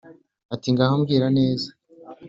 ati"ngaho mbwira neza"